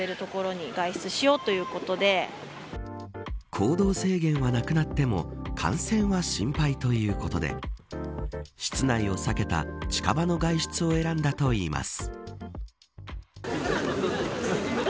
行動制限はなくなっても感染は心配ということで室内を避けた近場の外出を選んだといいます。